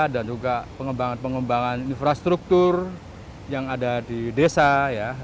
dan juga pengembangan pengembangan infrastruktur yang ada di desa ya